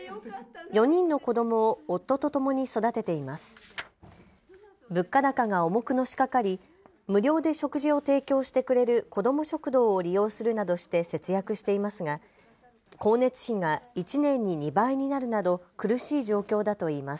４人の子どもを夫とともに育てています。